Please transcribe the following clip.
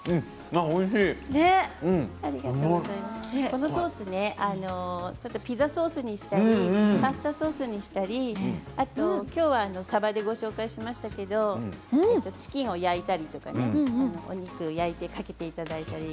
このソースねピザソースにしたりパスタソースにしたりきょうは、さばでご紹介しましたけれどチキンを焼いたりとかお肉を焼いてかけていただいたり。